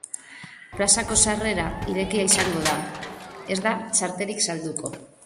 Plazako sarrera irekia izango da, ez da txartelik salduko.